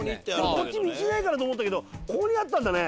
こっち道ないかなと思ったけどここにあったんだね。